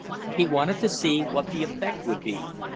He wanted to see what the effect would be.